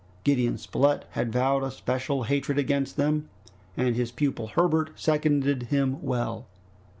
Gideon Spilett had vowed a special hatred against them, and his pupil Herbert seconded him well.